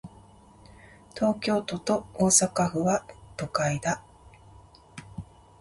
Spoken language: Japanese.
東京都と大阪府は、都会だ。